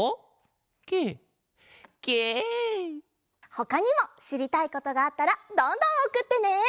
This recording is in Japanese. ほかにもしりたいことがあったらどんどんおくってね！